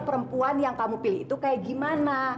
perempuan yang kamu pilih itu kayak gimana